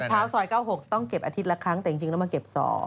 หัดพร้าวซอย๙๖ต้องเก็บอาทิตย์ละครั้งแต่จริงต้องมาเก็บ๒